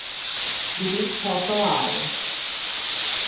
Filipe faltou a aula.